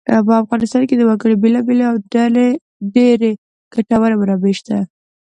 په افغانستان کې د وګړي بېلابېلې او ډېرې ګټورې منابع شته.